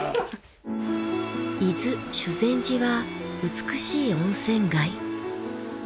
伊豆修善寺は美しい温泉街。